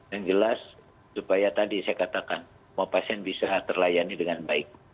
yang jelas supaya tadi saya katakan mau pasien bisa terlayani dengan baik